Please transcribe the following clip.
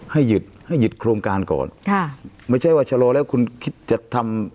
ให้หยุดให้หยุดโครงการก่อนค่ะไม่ใช่ว่าชะลอแล้วคุณคิดจะทำ